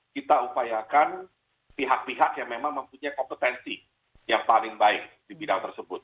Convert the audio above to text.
kita upayakan pihak pihak yang memang mempunyai kompetensi yang paling baik di bidang tersebut